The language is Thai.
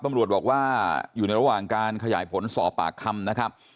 ตำรวจบอกว่าอยู่ในระหว่างการขยายผลสอบปากคำนะครับ